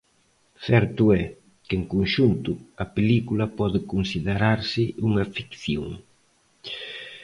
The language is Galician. Certo é, que en conxunto, a película pode considerarse unha ficción.